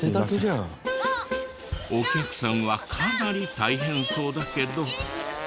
お客さんはかなり大変そうだけど。